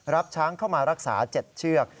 รับช้างเข้ามารักษา๗เชือก